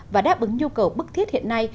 và đáp ứng nhu cầu bức thiết hiện nay